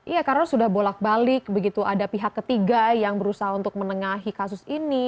iya karena sudah bolak balik begitu ada pihak ketiga yang berusaha untuk menengahi kasus ini